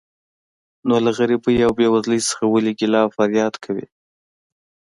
نو له غریبۍ او بې وزلۍ څخه ولې ګیله او فریاد کوې.